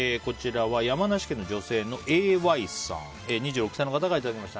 山梨県の女性２６歳の方からいただきました。